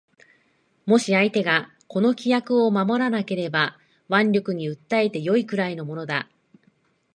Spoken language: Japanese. もし相手がこの規約を守らなければ腕力に訴えて善いくらいのものだ